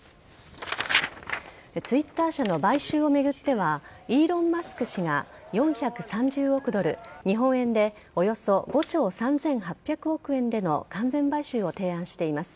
Ｔｗｉｔｔｅｒ社の買収を巡ってはイーロン・マスク氏が４３０億ドル日本円でおよそ５兆３８００億円での完全買収を提案しています。